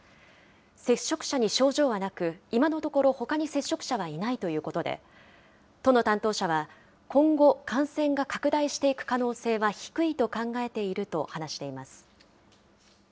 接触者に症状はなく、今のところ、ほかに接触者はいないということで、都の担当者は、今後、感染が拡大していく可能性は低いと考えていると話しています。